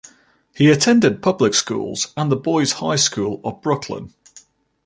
He attended public schools and the Boys High School of Brooklyn.